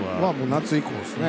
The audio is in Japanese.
夏以降ですね。